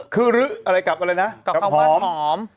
คือรื้ออะไรกับอะไรนะกับเขาบ้านหอม